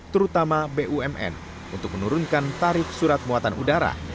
terutama bumn untuk menurunkan tarif surat muatan udara